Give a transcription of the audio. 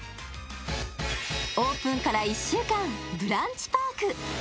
オープンから１週間、ブランチパーク。